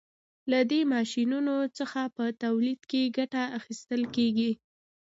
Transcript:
له دې ماشینونو څخه په تولید کې ګټه اخیستل کیږي.